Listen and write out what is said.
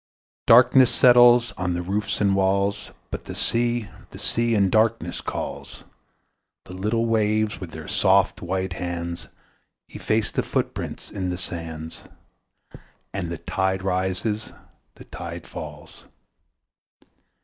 Darkness settles on the roofs and walls But the sea, the sea in darkness calls; The little waves, with their soft, white hands, Efface the footprints in the sands And the tide rises, the tide falls.